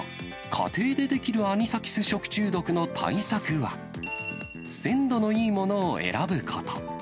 家庭でできるアニサキス食中毒の対策は、鮮度のいいものを選ぶこと。